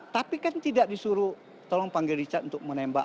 tapi kan tidak disuruh tolong panggil richard untuk menembak